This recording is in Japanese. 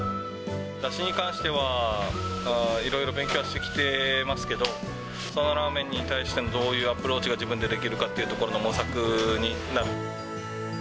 だしに関しては、いろいろ勉強はしてきてますけど、佐野ラーメンに対しての、どういうアプローチが自分でできるかっていうところの模索になる。